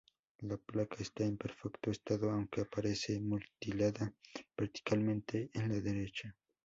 La placa está en perfecto estado aunque aparece mutilada verticalmente en la derecha.